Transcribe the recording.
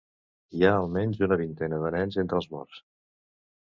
Hi ha almenys una vintena de nens entre els morts.